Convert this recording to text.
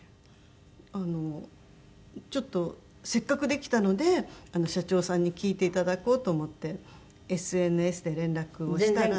あのちょっとせっかくできたので社長さんに聴いていただこうと思ってＳＮＳで連絡をしたら。